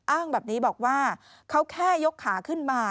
อ้างแบบนี้บอกว่าเขาแค่ยกขาขึ้นมา